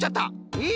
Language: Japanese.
えっ！？